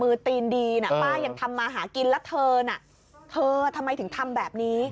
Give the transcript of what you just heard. ตีนดีน่ะป้ายังทำมาหากินแล้วเธอน่ะเธอทำไมถึงทำแบบนี้